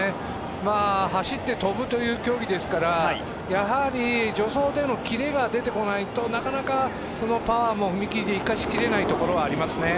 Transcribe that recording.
走って跳ぶという競技ですから助走でのキレが出てこないとなかなかパワーも踏み切りで生かし切れないところはあります。